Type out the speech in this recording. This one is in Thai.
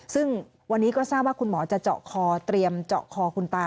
ซึ่งวันนี้ก็ทราบว่าคุณหมอจะเจาะคอเตรียมเจาะคอคุณตา